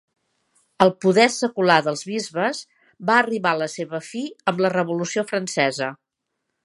El poder secular dels bisbes va arribar a la seva fi amb la Revolució Francesa.